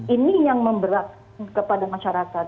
ini yang memberatkan kepada masyarakat